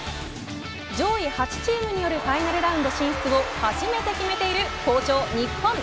上位８チームによるファイナルラウンド進出を初めて決めている好調、日本。